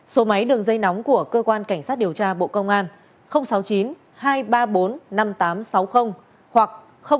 số máy đường dây nóng của cơ quan cảnh sát điều tra bộ công an sáu mươi chín hai trăm ba mươi bốn năm nghìn tám trăm sáu mươi hoặc sáu mươi chín hai trăm ba mươi hai một nghìn sáu trăm bảy